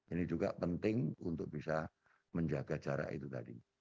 ini juga penting untuk bisa menjaga jarak itu tadi